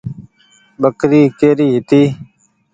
ٻڪري ڪيري هيتي۔